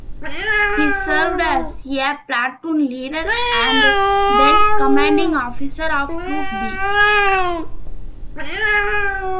He served as a platoon leader and then commanding officer of Troop B.